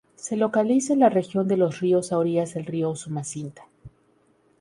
Se localiza en la región de los ríos a orillas del Río Usumacinta.